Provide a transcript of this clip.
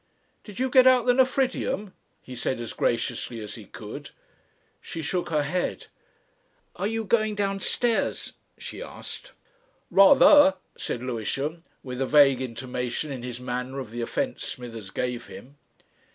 "Did you get out the nephridium?" he said as graciously as he could. She shook her head. "Are you going downstairs?" she asked. "Rather," said Lewisham, with a vague intimation in his manner of the offence Smithers gave him.